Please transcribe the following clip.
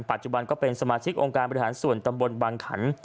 ปัจจุบันก็เป็นสมาชิกองค์การบริหารส่วนตำบลบางขัน